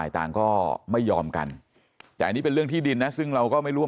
ต่างก็ไม่ยอมกันแต่อันนี้เป็นเรื่องที่ดินนะซึ่งเราก็ไม่รู้ว่า